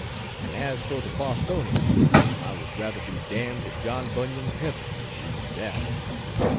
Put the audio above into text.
And as for "The Bostonians," I would rather be damned to John Bunyan's heaven than read that.